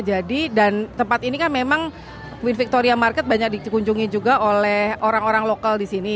jadi dan tempat ini kan memang wv market banyak dikunjungi juga oleh orang orang lokal di sini